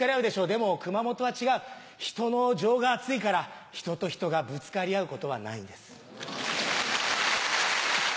でも熊本は違う人の情が厚いから人と人がぶつかり合うことはないんです。